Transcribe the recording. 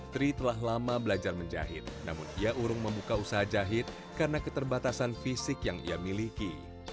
tri telah lama belajar menjahit namun ia urung membuka usaha jahit karena keterbatasan fisik yang ia miliki